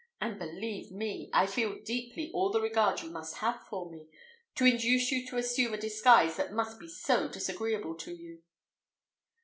And believe me, I feel deeply all the regard you must have for me, to induce you to assume a disguise that must be so disagreeable to you."